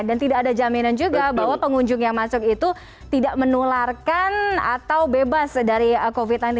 dan tidak ada jaminan juga bahwa pengunjung yang masuk itu tidak menularkan atau bebas dari covid sembilan belas